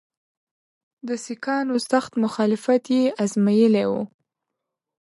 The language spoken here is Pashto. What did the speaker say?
د سیکهانو سخت مخالفت یې آزمېیلی وو.